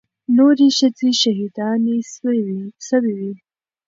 نورې ښځې شهيدانې سوې وې.